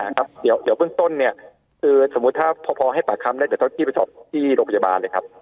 เดี๋ยวเพิ่งต้นเนี่ยสมมุติถ้าพอให้ปากคำได้เฉพาะที่ไปสอบที่โรงพยาบาลเลยครับ